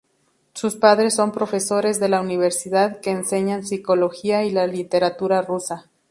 Sus padres son profesores de la Universidad, que enseñan psicología y la literatura rusa.